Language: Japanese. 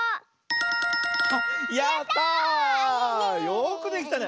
よくできたね。